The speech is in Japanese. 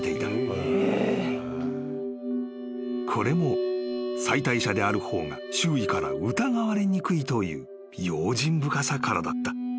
［これも妻帯者である方が周囲から疑われにくいという用心深さからだった］